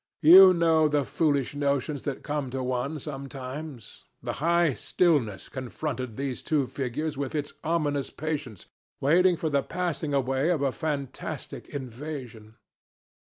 You know the foolish notions that come to one sometimes. The high stillness confronted these two figures with its ominous patience, waiting for the passing away of a fantastic invasion.